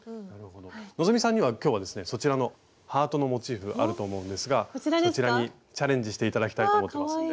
希さんには今日はですねそちらのハートのモチーフあると思うんですがそちらにチャレンジして頂きたいと思ってますんで。